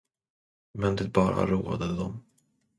Men det bara roade dem.